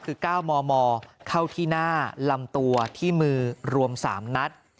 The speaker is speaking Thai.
คือ๙มมเข้าที่หน้าลำตัวที่มือรวม๓นัด